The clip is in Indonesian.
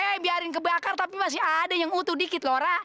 eh biarin kebakar tapi masih ada yang utuh dikit lohra